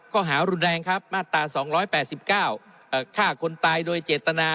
ก็หารุนแรงครับมาตราสองร้อยแปดสิบเก้าเอ่อฆ่าคนตายโดยเจตนา